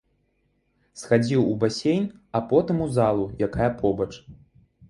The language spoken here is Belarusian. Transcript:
Схадзіў у басейн, а потым у залу, якая побач.